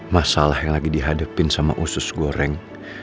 masalah yang lagi dihadapin sama usus goreng